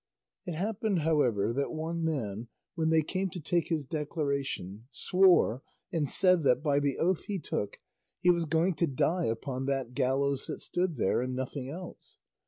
It happened, however, that one man, when they came to take his declaration, swore and said that by the oath he took he was going to die upon that gallows that stood there, and nothing else.